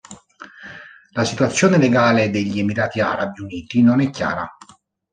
La situazione legale degli Emirati Arabi Uniti non è chiara.